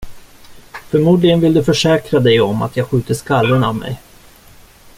Förmodligen vill du försäkra dig om att jag skjuter skallen av mig.